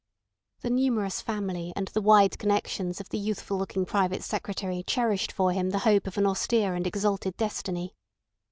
The numerous family and the wide connections of the youthful looking Private Secretary cherished for him the hope of an austere and exalted destiny.